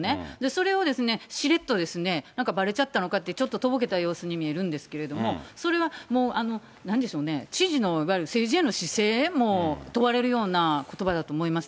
それをしれっとですね、なんかばれちゃったのかって、ちょっととぼけた様子に見えるんですけれども、それはもうなんでしょうね、知事のいわゆる政治への姿勢、問われるようなことばだと思います。